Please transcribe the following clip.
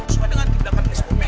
soal dengan tindakan respon